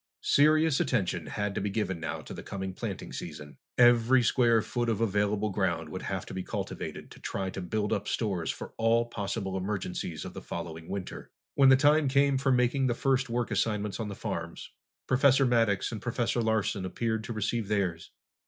Serious attention had to be given now to the coming planting season. Every square foot of available ground would have to be cultivated to try to build up stores for all possible emergencies of the following winter. When the time came for making the first work assignments on the farms, Professor Maddox and Professor Larsen appeared to receive theirs.